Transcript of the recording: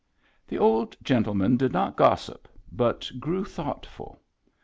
The old gentleman did not gossip, but grew thoughtful.